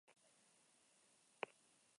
Zubia argitaletxeko zuzendaria ere bada.